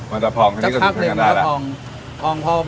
มันจะผอมจะพักหนึ่งมันจะผอม